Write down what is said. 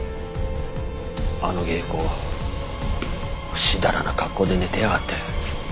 あの芸妓ふしだらな格好で寝てやがって。